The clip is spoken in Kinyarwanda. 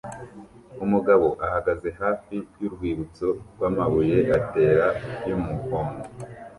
Umugabo ahagaze hafi y'urwibutso rw'amabuye atera y'umuhondo